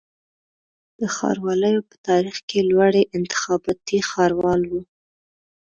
د ښاروالیو په تاریخ کي لوړی انتخابي ښاروال و